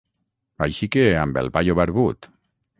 Així que amb el paio barbut.